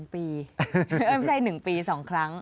๒ปีไม่ใช่๑ปี๒ครั้ง